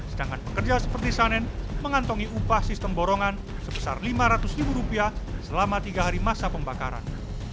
sedangkan pekerja seperti sanen mengantongi upah sistem borongan sebesar lima ratus ribu rupiah selama tiga hari masa pembakaran